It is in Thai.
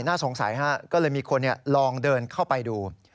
น่าสงสัยฮะก็เลยมีคนลองเดินเข้าไปดู